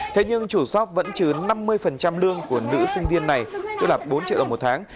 thế nhưng chủ shop vẫn chứa năm mươi lương của nữ sinh viên này tức là bốn triệu đồng một tháng